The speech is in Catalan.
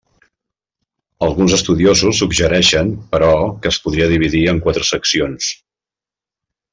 Alguns estudiosos suggereixen però que es podria dividir en quatre seccions.